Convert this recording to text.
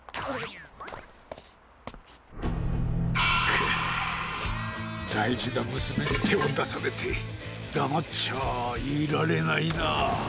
くっだいじなむすめにてをだされてだまっちゃあいられないな。